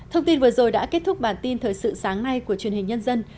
thông tin vừa rồi đã kết thúc bản tin thời sự sáng nay của truyền hình nhân dân